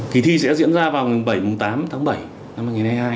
kỳ thi sẽ diễn ra vào ngày bảy tám tháng bảy năm hai nghìn hai mươi hai